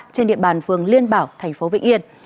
trên điện bàn phường liên bảo tp vĩnh yên